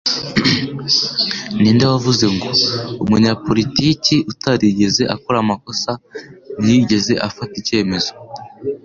Ninde wavuze ngo "Umunyapolitiki utarigeze akora amakosa, ntiyigeze afata icyemezo?